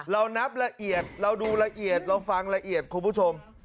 เรานับละเอียดเราดูละเอียดเราฟังละเอียดคุณผู้ชม